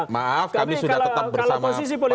maaf kami sudah tetap bersama pak jokowi